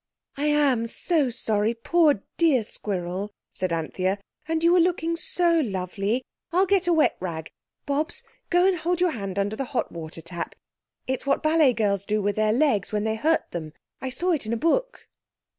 "I am so sorry, poor, dear Squirrel," said Anthea; "and you were looking so lovely. I'll get a wet rag. Bobs, go and hold your hand under the hot water tap. It's what ballet girls do with their legs when they hurt them. I saw it in a book."